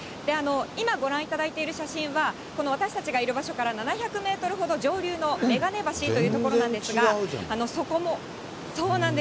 今ご覧いただいている写真は、私たちがいる場所から７００メートルほど上流の眼鏡橋という所な全然違うじゃん。